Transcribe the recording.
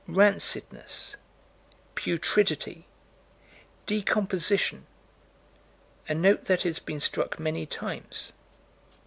Rancidness putridity decomposition a note that has been struck many times.